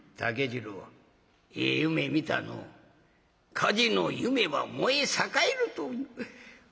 火事の夢は燃え栄えるという。